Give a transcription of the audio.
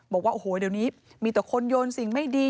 บอกว่าโอ้โหเดี๋ยวนี้มีแต่คนโยนสิ่งไม่ดี